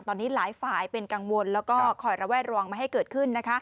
ตอนนี้หลายฝ่ายเป็นกังวลแล้วก็คอยระแวดระวังไม่ให้เกิดขึ้น